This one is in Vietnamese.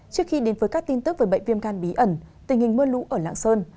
trước khi đến với các tin tức về bệnh viêm gan bí ẩn tình hình mưa lũ ở lạng sơn